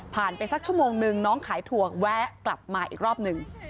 ไปสักชั่วโมงนึงน้องขายถั่วแวะกลับมาอีกรอบหนึ่ง